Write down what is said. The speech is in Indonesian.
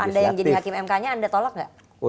anda yang jadi hakim mk nya anda tolak gak